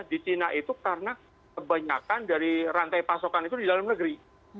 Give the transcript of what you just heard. di china itu karena kebanyakan dari rantai pasokan itu di dalam negeri